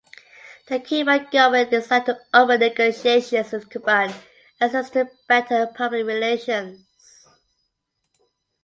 The Cuban government decided to open negotiations with Cuban exiles to better public relations.